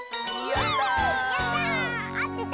やった！